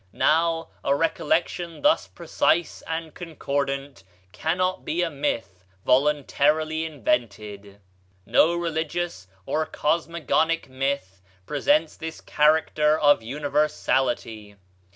Now, a recollection thus precise and concordant cannot be a myth voluntarily invented. No religious or cosmogonic myth presents this character of universality.